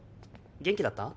元気だった？